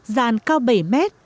giàn cao bảy mét